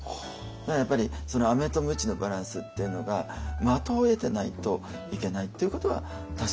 だからやっぱりそのアメとムチのバランスっていうのが的を射てないといけないっていうことは確かにあるかも分かりません。